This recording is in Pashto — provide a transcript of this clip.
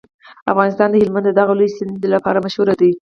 افغانستان د هلمند د دغه لوی سیند لپاره مشهور دی.